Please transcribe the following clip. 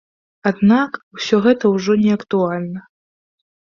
Аднак усё гэта ўжо не актуальна.